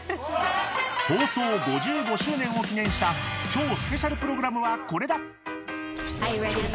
放送５５周年を記念した超スペシャルプログラムはこれだ。